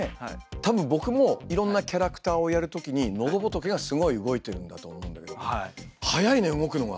たぶん僕もいろんなキャラクターをやるときにのどぼとけがすごい動いてるんだと思うんだけど速いね動くのが！